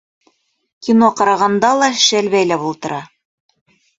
Кино ҡарағанда ла шәл бәйләп ултыра.